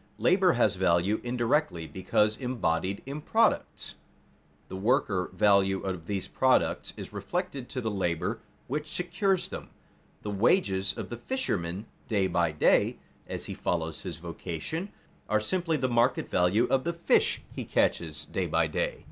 _ Labor has value indirectly because embodied in products. The worker value of these products is reflected to the labor which secures them. The wages of the fisherman day by day, as he follows his vocation, are simply the market value of the fish he catches day by day.